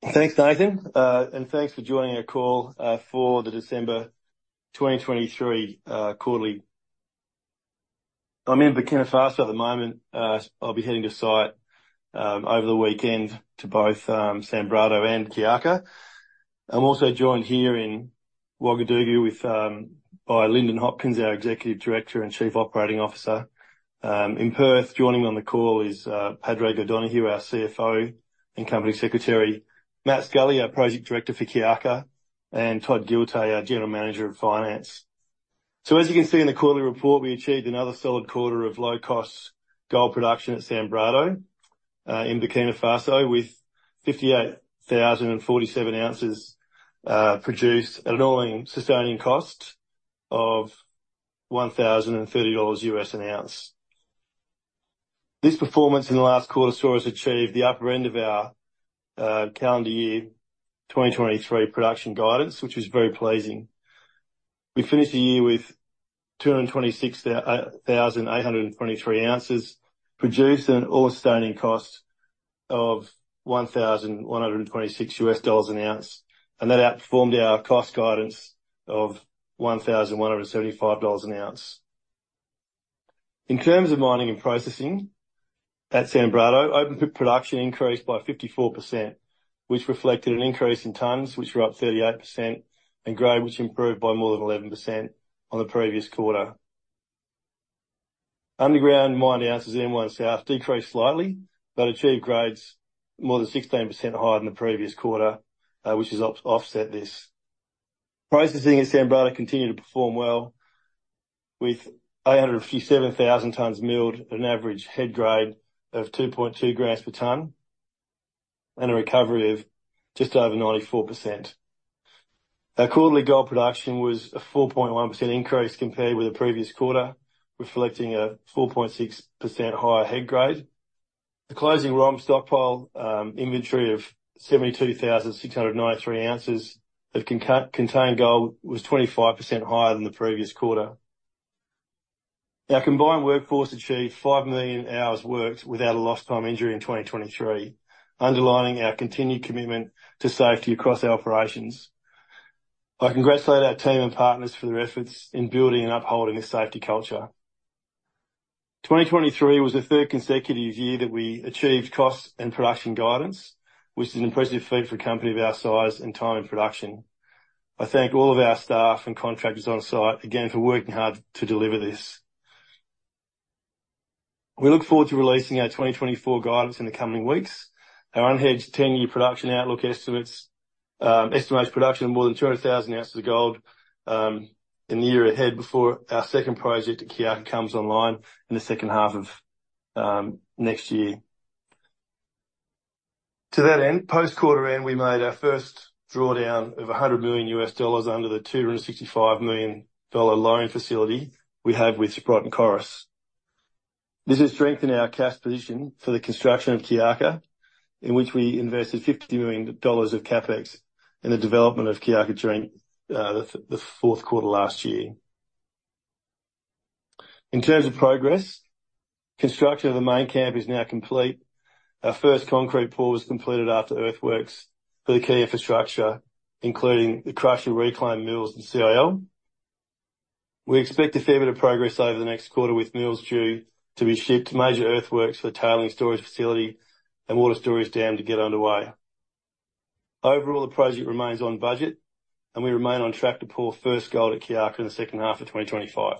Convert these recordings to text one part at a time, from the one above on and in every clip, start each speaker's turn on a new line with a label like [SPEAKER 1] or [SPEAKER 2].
[SPEAKER 1] Thanks, Nathan. And thanks for joining our call for the December 2023 quarterly. I'm in Burkina Faso at the moment. I'll be heading to site over the weekend to both Sanbrado and Kiaka. I'm also joined here in Ouagadougou by Lyndon Hopkins, our Executive Director and Chief Operating Officer. In Perth, joining me on the call is Padraig O'Donoghue, our CFO and Company Secretary. Matt Scully, our Project Director for Kiaka, and Todd Giltay, our General Manager of Finance. So as you can see in the quarterly report, we achieved another solid quarter of low-cost gold production at Sanbrado in Burkina Faso, with 58,047 ounces produced at an all-in sustaining cost of $1,030 an ounce. This performance in the last quarter saw us achieve the upper end of our calendar year 2023 production guidance, which is very pleasing. We finished the year with 226,823 ounces produced at an All-in Sustaining Cost of $1,126 an ounce, and that outperformed our cost guidance of $1,175 an ounce. In terms of mining and processing, at Sanbrado, open pit production increased by 54%, which reflected an increase in tonnes which were up 38%, and grade, which improved by more than 11% on the previous quarter. Underground, mined ounces at M1 South decreased slightly, but achieved grades more than 16% higher than the previous quarter, which has offset this. Processing at Sanbrado continued to perform well, with 857,000 tonnes milled at an average head grade of 2.2 grams per tonne, and a recovery of just over 94%. Our quarterly gold production was a 4.1% increase compared with the previous quarter, reflecting a 4.6% higher head grade. The closing ROM stockpile inventory of 72,693 ounces of contained gold was 25% higher than the previous quarter. Our combined workforce achieved 5 million hours worked without a lost time injury in 2023, underlining our continued commitment to safety across our operations. I congratulate our team and partners for their efforts in building and upholding this safety culture. 2023 was the third consecutive year that we achieved cost and production guidance, which is an impressive feat for a company of our size and time in production. I thank all of our staff and contractors on site again for working hard to deliver this. We look forward to releasing our 2024 guidance in the coming weeks. Our unhedged ten-year production outlook estimates production of more than 200,000 ounces of gold in the year ahead before our second project at Kiaka comes online in the second half of next year. To that end, post-quarter end, we made our first drawdown of $100 million under the $265 million loan facility we have with Sprott and Coris. This has strengthened our cash position for the construction of Kiaka, in which we invested $50 million of CapEx in the development of Kiaka during the fourth quarter last year. In terms of progress, construction of the main camp is now complete. Our first concrete pour was completed after earthworks for the key infrastructure, including the crusher, reclaim, mills, and CIL. We expect a fair bit of progress over the next quarter, with mills due to be shipped, major earthworks for the tailings storage facility and water storage dam to get underway. Overall, the project remains on budget, and we remain on track to pour first gold at Kiaka in the second half of 2025.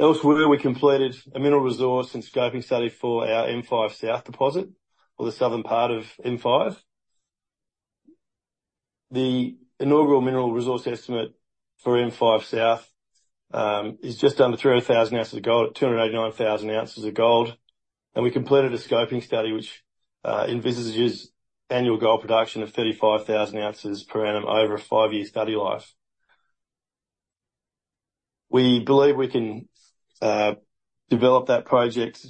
[SPEAKER 1] Elsewhere, we completed a mineral resource and scoping study for our M5 South deposit or the southern part of M5. The inaugural Mineral Resource Estimate for M5 South is just under 300,000 ounces of gold, at 289,000 ounces of gold, and we completed a Scoping Study which envisages annual gold production of 35,000 ounces per annum over a 5-year study life. We believe we can develop that project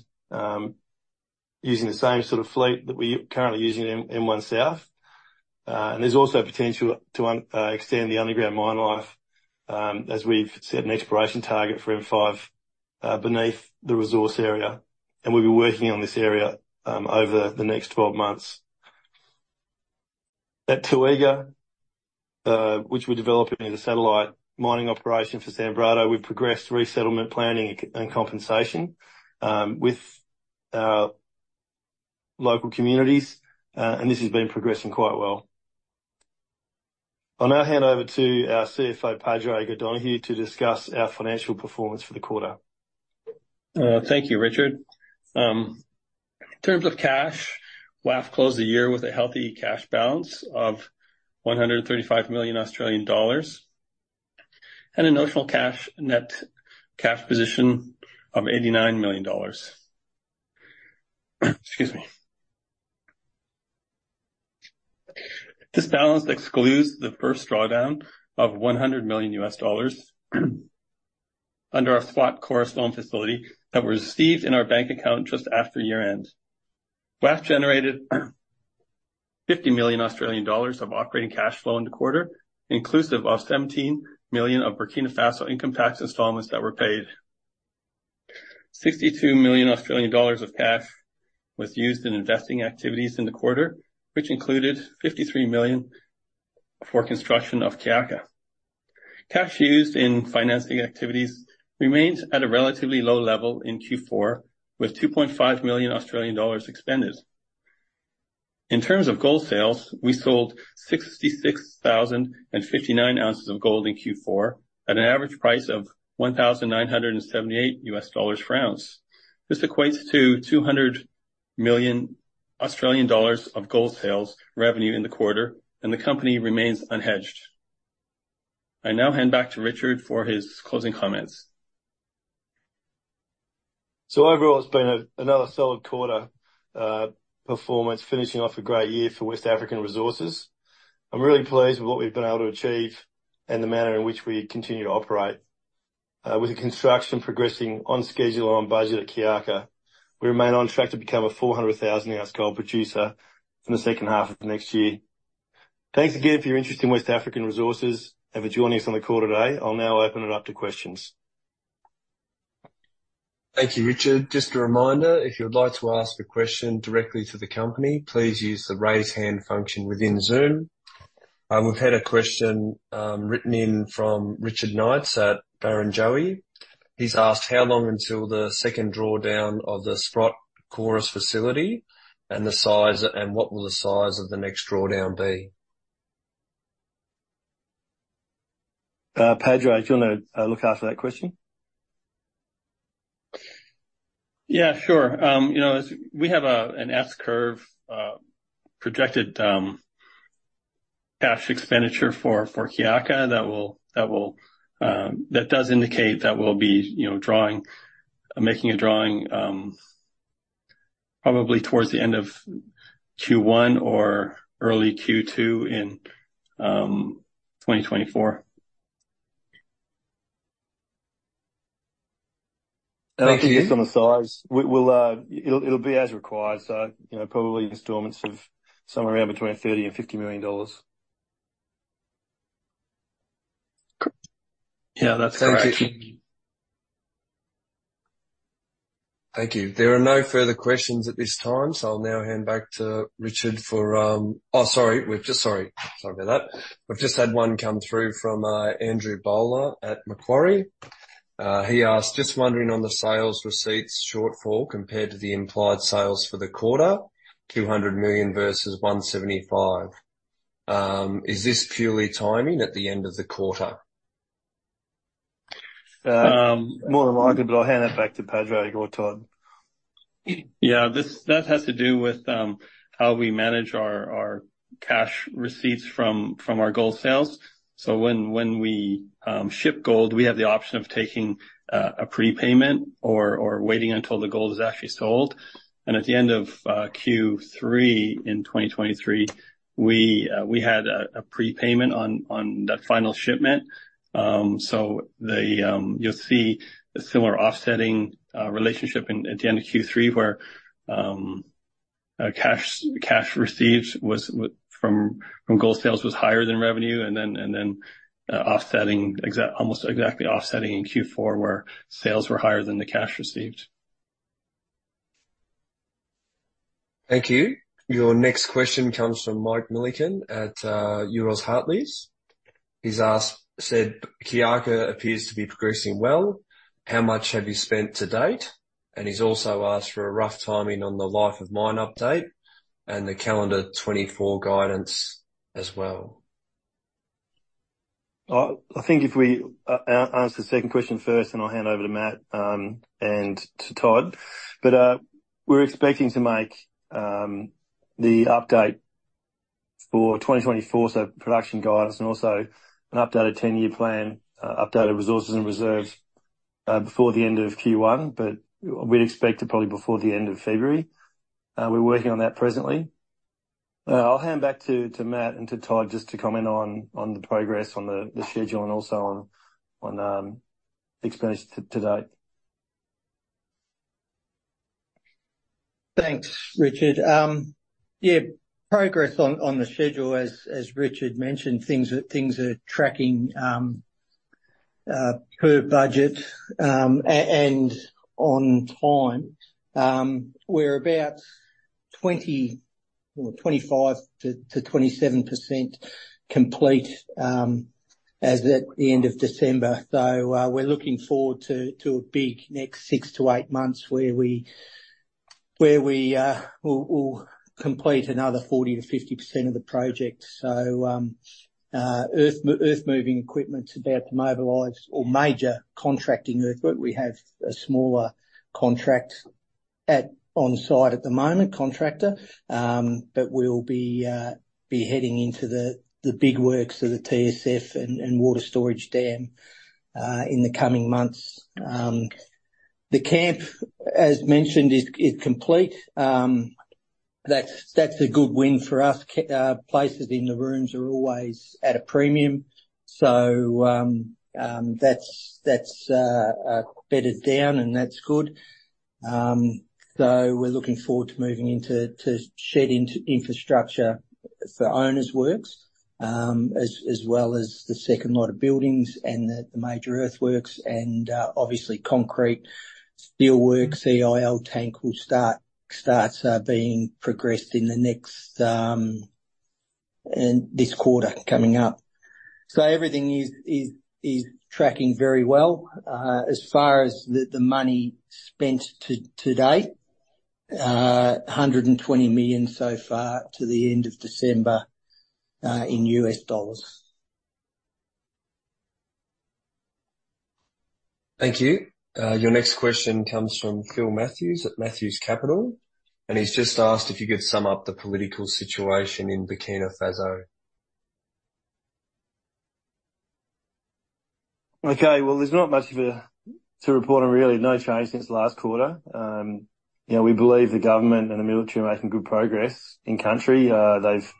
[SPEAKER 1] using the same sort of fleet that we're currently using in M1 South. And there's also potential to extend the underground mine life, as we've set an exploration target for M5 beneath the resource area, and we'll be working on this area over the next 12 months. At Toega, which we're developing as a satellite mining operation for Sanbrado, we've progressed resettlement planning and compensation with local communities. And this has been progressing quite well. I'll now hand over to our CFO, Padraig O'Donoghue, to discuss our financial performance for the quarter.
[SPEAKER 2] Thank you, Richard. In terms of cash, WAF closed the year with a healthy cash balance of 135 million Australian dollars, and a notional cash—net cash position of 89 million dollars. Excuse me. This balance excludes the first drawdown of $100 million, under our Sprott Coris loan facility that was received in our bank account just after year-end. WAF generated 50 million Australian dollars of operating cash flow in the quarter, inclusive of 17 million of Burkina Faso income tax installments that were paid. 62 million Australian dollars of cash was used in investing activities in the quarter, which included 53 million for construction of Kiaka. Cash used in financing activities remains at a relatively low level in Q4, with 2.5 million Australian dollars expended. In terms of gold sales, we sold 66,059 ounces of gold in Q4, at an average price of $1,978 per ounce. This equates to 200 million Australian dollars of gold sales revenue in the quarter, and the company remains unhedged. I now hand back to Richard for his closing comments.
[SPEAKER 1] So overall, it's been another solid quarter performance, finishing off a great year for West African Resources. I'm really pleased with what we've been able to achieve and the manner in which we continue to operate. With the construction progressing on schedule and on budget at Kiaka, we remain on track to become a 400,000-ounce gold producer in the second half of next year. Thanks again for your interest in West African Resources and for joining us on the call today. I'll now open it up to questions.
[SPEAKER 3] Thank you, Richard. Just a reminder, if you would like to ask a question directly to the company, please use the Raise Hand function within Zoom. We've had a question written in from Richard Knights at Barrenjoey. He's asked: How long until the second drawdown of the Sprott Coris facility and the size—and what will the size of the next drawdown be?
[SPEAKER 1] Padraig, do you want to look after that question?
[SPEAKER 2] Yeah, sure. You know, as we have an S-curve projected cash expenditure for Kiaka, that does indicate that we'll be, you know, making a drawdown, probably towards the end of Q1 or early Q2 in 2024.
[SPEAKER 1] Thank you.
[SPEAKER 2] On the size?
[SPEAKER 1] It'll be as required, so, you know, probably installments of somewhere around between $30 million and $50 million.
[SPEAKER 2] Yeah, that's correct.
[SPEAKER 3] Thank you. There are no further questions at this time, so I'll now hand back to Richard for... Oh, sorry, we've just-- Sorry. Sorry about that. We've just had one come through from Andrew Bowler at Macquarie. He asked: Just wondering on the sales receipts shortfall compared to the implied sales for the quarter, $200 million versus $175 million. Is this purely timing at the end of the quarter?
[SPEAKER 1] More than likely, but I'll hand that back to Padraig or Todd.
[SPEAKER 2] Yeah, this. That has to do with how we manage our cash receipts from our gold sales. So when we ship gold, we have the option of taking a prepayment or waiting until the gold is actually sold. And at the end of Q3 in 2023, we had a prepayment on that final shipment. So you'll see a similar offsetting relationship at the end of Q3, where cash received from gold sales was higher than revenue. And then, almost exactly offsetting in Q4, where sales were higher than the cash received.
[SPEAKER 3] Thank you. Your next question comes from Mike Millikan at Euroz Hartleys. He's asked: Said Kiaka appears to be progressing well. How much have you spent to date? And he's also asked for a rough timing on the life of mine update and the calendar 2024 guidance as well.
[SPEAKER 1] I think if we answer the second question first, and I'll hand over to Matt and to Todd. But, we're expecting to make the update for 2024, so production guidance and also an updated ten-year plan, updated resources and reserves, before the end of Q1. But we'd expect it probably before the end of February. We're working on that presently. I'll hand back to Matt and to Todd just to comment on the progress on the schedule and also on expense to date.
[SPEAKER 4] Thanks, Richard. Yeah, progress on the schedule, as Richard mentioned, things are tracking per budget and on time. We're about 20 or 25-27% complete, as at the end of December. So, we're looking forward to a big next 6-8 months, where we will complete another 40-50% of the project. So, earth moving equipment is about to mobilize or major contracting earthwork. We have a smaller contract on-site at the moment, contractor. But we'll be heading into the big works of the TSF and water storage dam in the coming months. The camp, as mentioned, is complete. That's a good win for us. Places in the rooms are always at a premium, so that's bedded down, and that's good.... So we're looking forward to moving into, to shed infrastructure for owners works, as well as the second lot of buildings and the major earthworks and, obviously concrete, steelwork, CIL tank will start being progressed in the next, in this quarter coming up. So everything is tracking very well. As far as the money spent to date, $120 million so far to the end of December, in U.S. dollars.
[SPEAKER 3] Thank you. Your next question comes from Phil Matthews at Matthews Capital, and he's just asked if you could sum up the political situation in Burkina Faso.
[SPEAKER 1] Okay, well, there's not much to report on, really. No change since last quarter. You know, we believe the government and the military are making good progress in country. They've,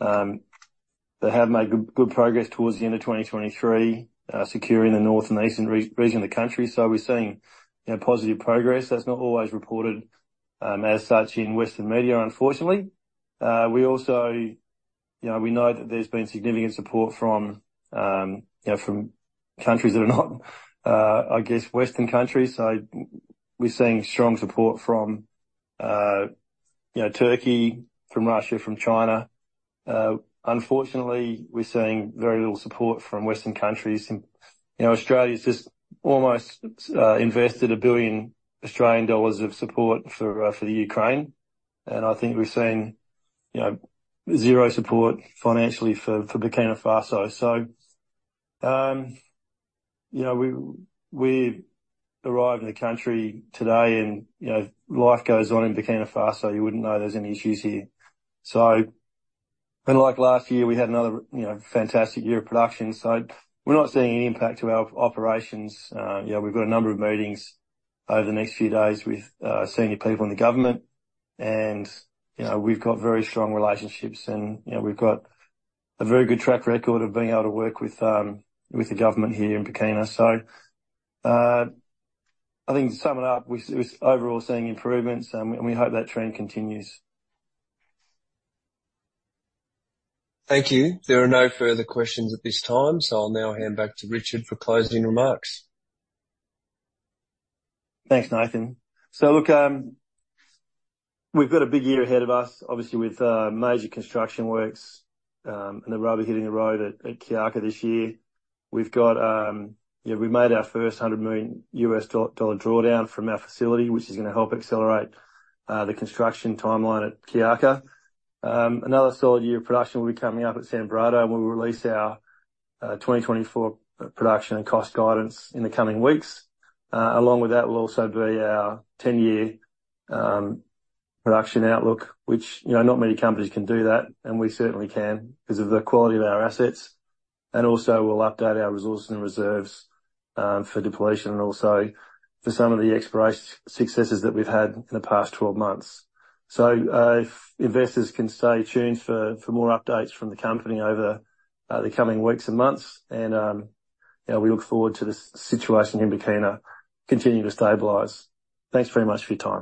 [SPEAKER 1] they have made good, good progress towards the end of 2023, securing the north and eastern region of the country. So we're seeing, you know, positive progress. That's not always reported, as such in Western media, unfortunately. We also... You know, we know that there's been significant support from, you know, from countries that are not, I guess, Western countries. So we're seeing strong support from, you know, Turkey, from Russia, from China. Unfortunately, we're seeing very little support from Western countries. You know, Australia's just almost invested 1 billion Australian dollars of support for, for the Ukraine, and I think we've seen, you know, zero support financially for, for Burkina Faso. So, you know, we, we arrived in the country today, and, you know, life goes on in Burkina Faso. You wouldn't know there's any issues here. So, and like last year, we had another, you know, fantastic year of production, so we're not seeing any impact to our operations. You know, we've got a number of meetings over the next few days with, senior people in the government, and, you know, we've got very strong relationships and, you know, we've got a very good track record of being able to work with, with the government here in Burkina. I think to sum it up, we're overall seeing improvements, and we hope that trend continues.
[SPEAKER 3] Thank you. There are no further questions at this time, so I'll now hand back to Richard for closing remarks.
[SPEAKER 1] Thanks, Nathan. So look, we've got a big year ahead of us, obviously, with major construction works, and the rubber hitting the road at Kiaka this year. We've got. Yeah, we made our first $100 million drawdown from our facility, which is going to help accelerate the construction timeline at Kiaka. Another solid year of production will be coming up at Sanbrado, and we'll release our 2024 production and cost guidance in the coming weeks. Along with that will also be our 10-year production outlook, which, you know, not many companies can do that, and we certainly can because of the quality of our assets. And also, we'll update our resources and reserves for depletion and also for some of the exploration successes that we've had in the past 12 months. So, if investors can stay tuned for more updates from the company over the coming weeks and months and, you know, we look forward to the situation in Burkina continuing to stabilize. Thanks very much for your time.